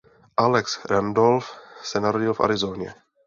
Alex Randolph se narodil v Arizoně.